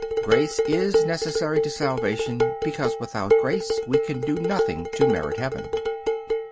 Grace is necessary to salvation, because without grace we can do nothing to merit heaven.